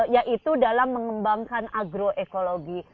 yaitu dalam mengembangkan agroekologi